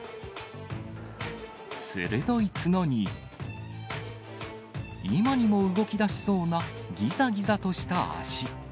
鋭い角に、今にも動きだしそうなぎざぎざとした足。